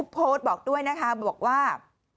โพสต์บอกด้วยนะคะบอกว่า